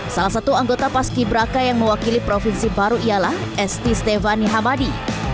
salah satu anggota paski beraka yang mewakili provinsi baru ialah st stevani hamadi